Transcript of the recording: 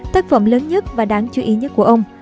tác phẩm lớn nhất và đáng chú ý nhất của ông